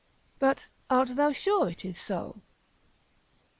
But art thou sure it is so?